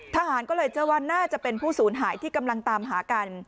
ทหารก็เลยเชื่อว่าน่าจะเป็นผู้สูญหายที่กำลังตามหากัน